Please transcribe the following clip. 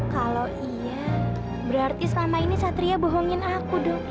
kalau iya berarti selama ini satria bohongin aku dong